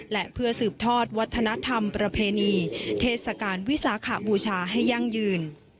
และเพื่อสืบทอดวัฒนธรรมประเพณีเทศกาลวิสาขบูชาให้ยั่งยืน